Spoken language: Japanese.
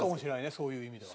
そういう意味では。